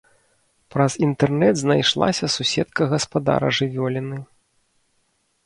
Праз інтэрнэт знайшлася суседка гаспадара жывёліны.